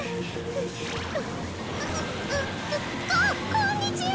ここんにちは。